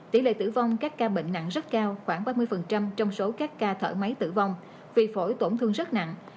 tỷ lệ tử vong các ca bệnh nặng rất cao khoảng ba mươi trong số các ca thở máy tử vong vì phổi tổn thương rất nặng